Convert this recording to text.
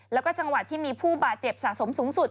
แล้วก็จังหวัดที่มีผู้บาดเจ็บสะสมสูงสุด